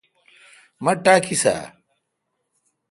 مٹھ ٹاکیس اؘ ۔